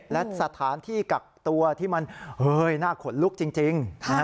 และสถานที่กักตัวที่มันน่าขนลุกจริง